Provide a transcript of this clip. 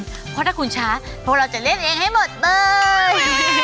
เพราะถ้าคุณช้าพวกเราจะเล่นเองให้หมดเลย